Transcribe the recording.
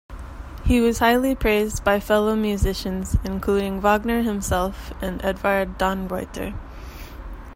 He was highly praised by fellow musicians, including Wagner himself and Edward Dannreuther.